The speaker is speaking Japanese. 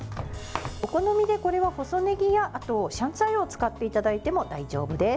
お好みで細ねぎやシャンツァイを使っていただいても大丈夫です。